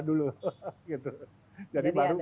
dulu jadi baru